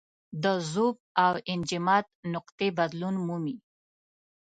د ذوب او انجماد نقطې بدلون مومي.